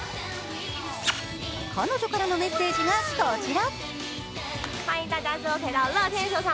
彼女からのメッセージがこちら。